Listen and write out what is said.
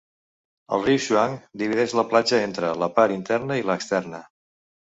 El riu Shuang divideix la platja entre la part interna i la externa.